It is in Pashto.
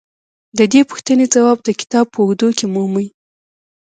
د دې پوښتنې ځواب د کتاب په اوږدو کې مومئ.